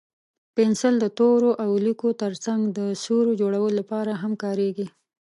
پنسل د تورو او لیکلو تر څنګ د سیوري جوړولو لپاره هم کارېږي.